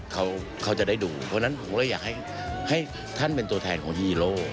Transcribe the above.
เขาจะได้ดูเพราะฉะนั้นผมเลยอยากให้ท่านเป็นตัวแทนของฮีโร่